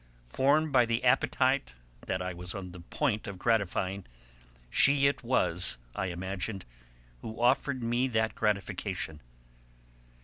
Formed by the appetite that I was on the point of gratifying, she it was, I imagined, who offered me that gratification.